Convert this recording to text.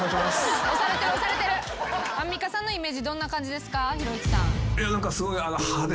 アンミカさんのイメージどんな感じですかひろゆきさん。